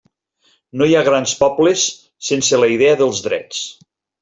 No hi ha grans pobles sense la idea dels drets.